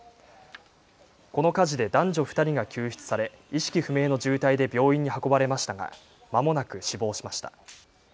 この火事で男女２人が救出され意識不明の重体で病院に運ばれましたが、まもなく死亡しました。